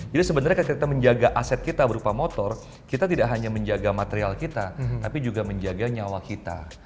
jadi sebenarnya ketika kita menjaga aset kita berupa motor kita tidak hanya menjaga material kita tapi juga menjaga nyawa kita